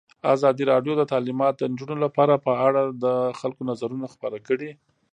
ازادي راډیو د تعلیمات د نجونو لپاره په اړه د خلکو نظرونه خپاره کړي.